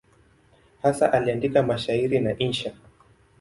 Hasa aliandika mashairi na insha.